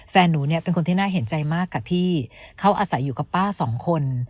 แฟนหนูเนี่ยเป็นคนที่น่าเห็นใจมากกับพี่เขาอาศัยอยู่กับป้าสองคน